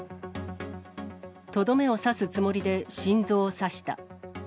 とどめを刺すつもりで心臓を刺した。